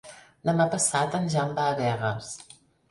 Demà passat en Jan va a Begues.